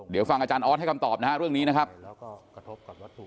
เดี๋ยวฟังอาจารย์ออสให้คำตอบนะฮะเรื่องนี้นะครับ